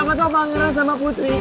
siapa siapa pangeran sama putri